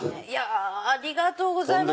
ありがとうございます。